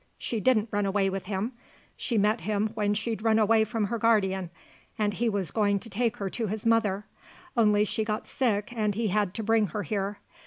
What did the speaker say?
She didn't run away with him; she met him when she'd run away from her guardian and he was going to take her to his mother, only she got sick and he had to bring her here.